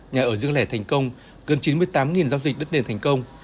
nhà ở dương lẻ thành công gần chín mươi tám giao dịch đất nền thành công